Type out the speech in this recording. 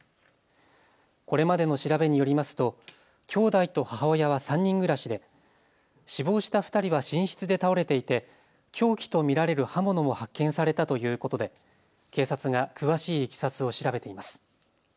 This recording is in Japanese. これまでの調べによりますときょうだいと母親は３人暮らしで死亡した２人は寝室で倒れていて凶器と見られる刃物も発見されたということで、警察が詳しいいきさつを調べています。